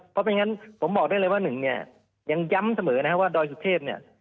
เพราะไม่งั้นผมบอกได้เลยว่าหนึ่งเนี่ยยังย้ำเสมอนะครับว่าดอยสุเทพเนี่ย